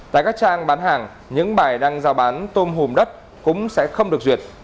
tại các trang bán hàng những bài đang giao bán tôm hùm đất cũng sẽ không được duyệt